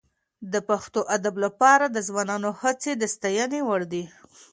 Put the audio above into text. د پښتو ادب لپاره د ځوانانو هڅې د ستاینې وړ دي.